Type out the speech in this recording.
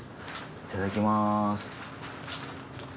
いただきます。